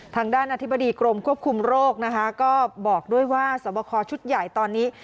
ทางด้านอธิบดีกรมควบคุมโรคนะคะก็บอกด้วยว่าสวบคอชุดใหญ่ตอนนี้